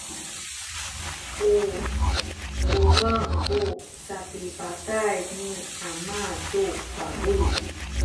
u kuwang ku sapipatay ni ama tu pabuy.